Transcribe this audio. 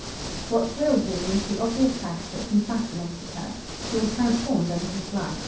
What thrilled Louis was the obvious fact that he fascinated her. She was transformed under his glance.